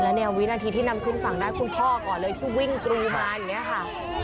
แล้วเนี่ยวินาทีที่นำขึ้นฝั่งได้คุณพ่อก่อนเลยที่วิ่งกรูมาอย่างนี้ค่ะ